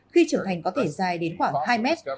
khi trưởng thành có thể dài đến khoảng hai mét